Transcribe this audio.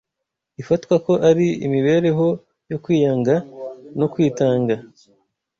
ifatwa ko ari imibereho yo kwiyanga no kwitanga